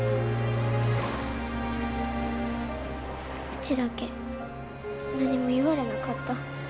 うちだけ何も言われなかった。